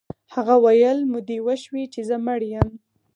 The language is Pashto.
هغه ویل مودې وشوې چې زه مړ یم